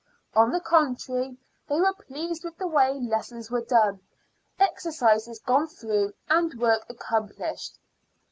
On the contrary, they were pleased with the way lessons were done, exercises gone through, and work accomplished.